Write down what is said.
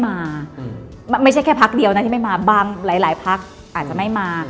มาไม่ใช่แค่พักเดียวนะที่ไม่มาบางหลายพักอาจจะไม่มา